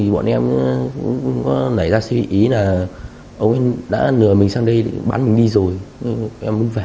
bọn em cũng có lấy ra suy nghĩ là ông ấy đã lừa mình sang đây bán mình đi rồi em cũng về